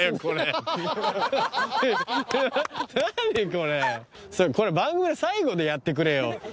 これこれ番組の最後でやってくれよ